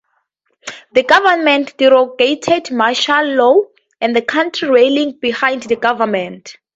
The government derogated Martial law and the country rallied behind the government.